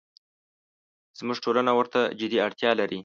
زموږ ټولنه ورته جدي اړتیا لري.